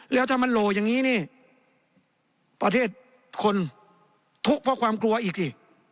แล้วถ้ามันโหลอย่างนี้นี่ประเทศคนทุกข์เพราะความกลัวอีกสิ